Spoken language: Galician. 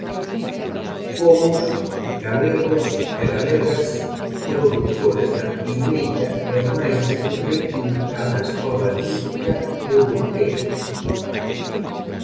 Fomos, galegos e galegas, produtores da primeira e máis requintada escola lírica europea.